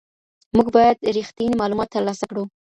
موږ باید ریښتیني معلومات ترلاسه کړو.